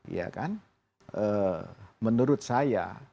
ya kan menurut saya